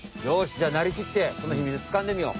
じゃあなりきってそのヒミツつかんでみよう。